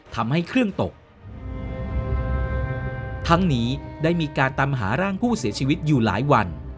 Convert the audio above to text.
ทำให้เครื่องตกทั้งนี้ได้มีการตามหาร่างผู้เสียชีวิตอยู่หลายวัน